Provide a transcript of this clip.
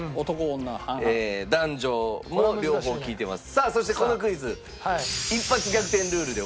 さあそしてこのクイズ一発逆転ルールで行います。